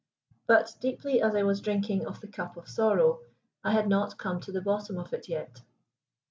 But, deeply as I was drinking of the cup of sorrow, I had not come to the bottom of it yet.